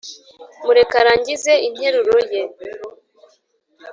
mureke arangize interuro ye